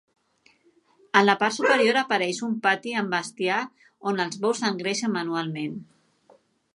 En la part superior apareix un pati amb bestiar, on els bous s'engreixen manualment.